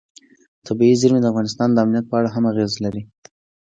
طبیعي زیرمې د افغانستان د امنیت په اړه هم اغېز لري.